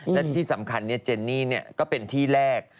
และที่สำคัญเจนนี่ก็เป็นที่แรก